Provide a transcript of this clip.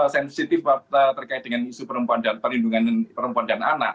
sensitif terkait dengan isu perempuan dan perlindungan perempuan dan anak